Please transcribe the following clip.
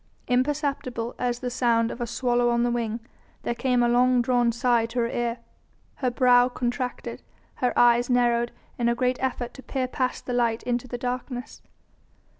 Imperceptible as the sound of a swallow on the wing, there came a long drawn sigh to her ear. Her brow contracted, her eyes narrowed in a great effort to peer past the light into the darkness.